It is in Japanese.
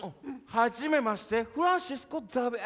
はじめましてフランシスコ・ザビエルです。